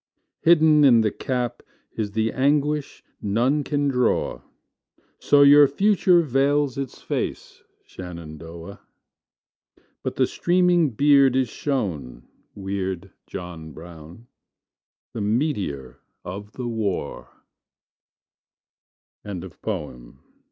Hidden in the cap Is the anguish none can draw; So your future veils its face, Shenandoah! But the streaming beard is shown (Weird John Brown), The meteor of the the war. Misgivings.